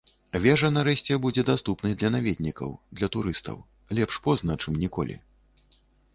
Вежа нарэшце будзе даступнай для наведнікаў, для турыстаў, лепш позна, чым ніколі.